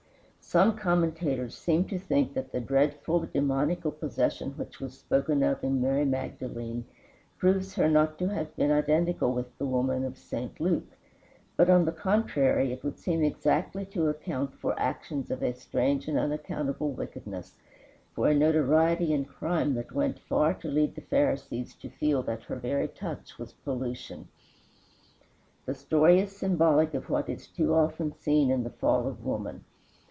Some commentators seem to think that the dreadful demoniacal possession which was spoken of in Mary Magdalene proves her not to have been identical with the woman of St. Luke. But, on the contrary, it would seem exactly to account for actions of a strange and unaccountable wickedness, for a notoriety in crime that went far to lead the Pharisees to feel that her very touch was pollution. The story is symbolic of what is too often seen in the fall of woman.